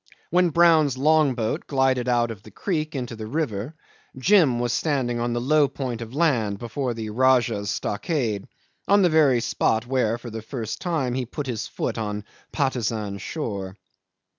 When Brown's long boat glided out of the creek into the river, Jim was standing on the low point of land before the Rajah's stockade on the very spot where for the first time he put his foot on Patusan shore.